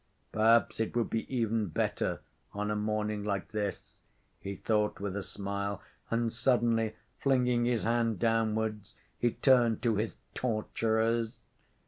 "Perhaps it would be even better on a morning like this," he thought with a smile, and suddenly, flinging his hand downwards, he turned to his "torturers."